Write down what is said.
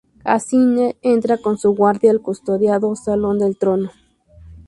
Así, Ned entra con su guardia al custodiado salón del trono.